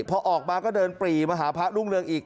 พอออกมาก็เดินปรีมาหาพระรุ่งเรืองอีก